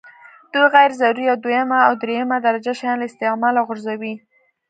دوی غیر ضروري او دویمه او درېمه درجه شیان له استعماله غورځوي.